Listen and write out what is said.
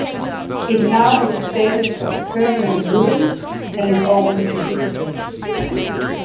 It now has a status of permanent ruin, and is open to visitors.